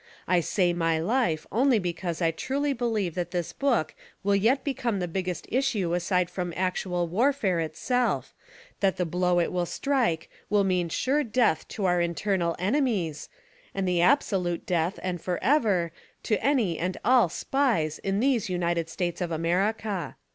I say my life only because I truly believe that this book will yet become the biggest issue aside from actual war fare itself ; that the blow it will strike will mean sure death to our internal enemies, and the absolute death and forever, to any and all SPIES in these the UNITED STATES OF AMERICA.